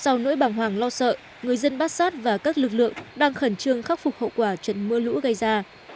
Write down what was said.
sau nỗi bàng hoàng lo sợ người dân bát sát và các lực lượng đang khẩn trương khắc phục hậu quả trận mưa lũ gây ra